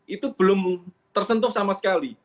itu belum tersentuh sama sekali